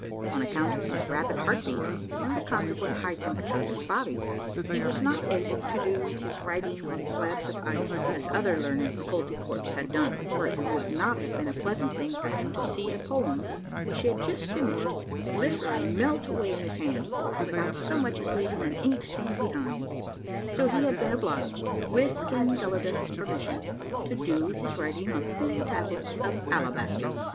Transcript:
On account of his rapid heart beat, and the consequent high temperature of his body, he was not able to do his writ ing on slabs of ice as other learned Koltykwerps had done, for it would not have been a pleasant thing for him to see a poem which he had just finished literally melt away in his hands, without so much as leaving an ink stain behind, so he had been obliged, with King Gelidus' permission, to do his writing on thin tablets of alabaster.